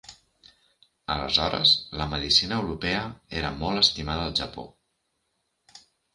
Aleshores la medicina europea era molt estimada al Japó.